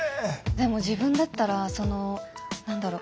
でも自分だったらその何だろう。